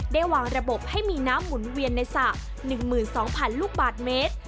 วางระบบให้มีน้ำหมุนเวียนในสระ๑๒๐๐๐ลูกบาทเมตร